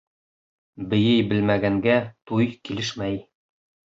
Бейей белмәгәнгә туй килешмәй.